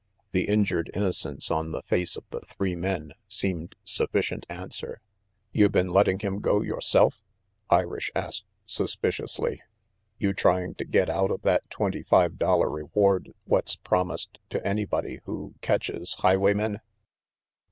The injured innocence on the faces of the three men seemed sufficient answer. "You been letting him go yoreself?" Irish asked suspiciously. " You trying to get out of that twenty five dollar reward what's promised to anybody who catches highwaymen?"